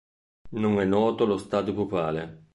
Non è noto lo stadio pupale.